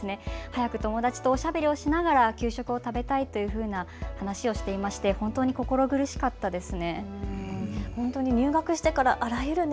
早く友達とおしゃべりをしながら給食を食べたいというふうな話をしていて本当に心苦しかったです。